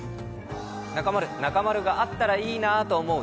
中丸、中丸があったらいいなと思う